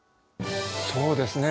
そうですね